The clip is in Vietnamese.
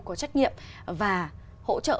có trách nhiệm và hỗ trợ